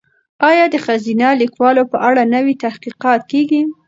ایا د ښځینه لیکوالو په اړه نوي تحقیقات کیږي؟